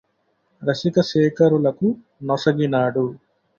రసిక శేఖరులకు నొసగినాడు